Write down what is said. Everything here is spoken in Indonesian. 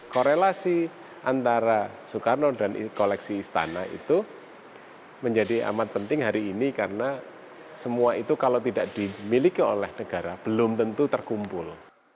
korelasi antara soekarno dan koleksi istana itu menjadi amat penting hari ini karena semua itu kalau tidak dimiliki oleh negara belum tentu terkumpul